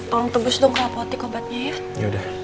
tolong tebus dong rapotik obatnya ya